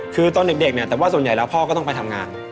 คือตอนเด็กเนี่ยแต่ว่าส่วนใหญ่แล้วพ่อก็ต้องไปทำงาน